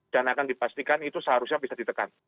dan akan dipastikan itu seharusnya bisa ditekan